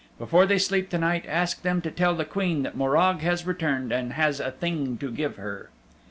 Before they sleep to night ask them to tell the Queen that Morag has returned, and has a thing to give her."